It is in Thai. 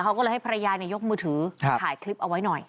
เขาก็เลยให้ภรรยายกมือถือถ่ายคลิปเอาไว้หน่อย